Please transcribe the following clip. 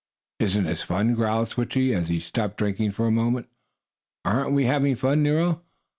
"Isn't this fun?" growled Switchie, as he stopped drinking for a moment. "Aren't we having fun, Nero?"